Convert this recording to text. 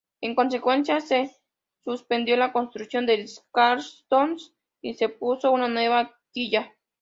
En consecuencia se suspendió la construcción del "Scharnhorst" y se puso una nueva quilla.